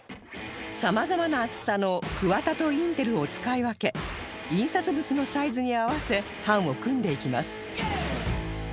様々な厚さのクワタとインテルを使い分け印刷物のサイズに合わせ版を組んでいきます